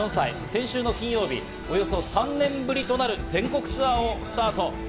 先週の金曜日、およそ３年ぶりとなる全国ツアーをスタート。